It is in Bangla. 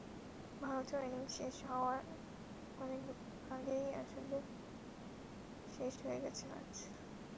ভারতীয় ইনিংস শেষ হওয়ার অনেক আগেই আসলে শেষ হয়ে গেছে ম্যাচ।